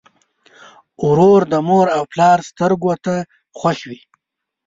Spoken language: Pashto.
ورور د مور او پلار سترګو ته خوښ وي.